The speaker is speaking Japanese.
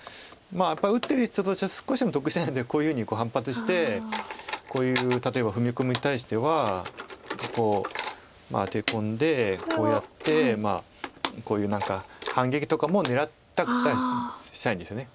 やっぱり打ってる人としては少しでも得したいのでこういうふうに反発してこういう例えば踏み込みに対してはここをアテ込んでこうやってこういう何か反撃とかも狙ったりしたいんですよね。